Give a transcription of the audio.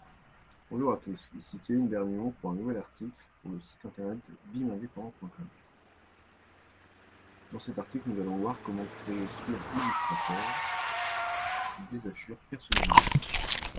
Awesome's initial releases included new properties like Kaboom!